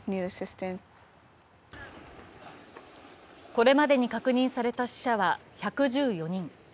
これまでに確認された死者は１１４人。